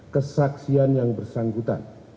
kesaksian yang bersangkutan